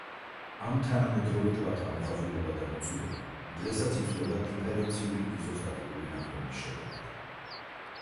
ამ თანამედროვე ტბათა მოხაზულობა და მოცულობა დღესაც იცვლება დიფერენციული იზოსტატიკური ნახტომის შედეგად.